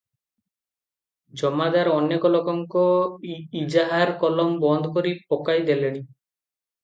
ଜମାଦାର ଅନେକ ଲୋକଙ୍କ ଇଜାହାର କଲମ ବନ୍ଦ କରି ପକାଇ ଦେଲେଣି ।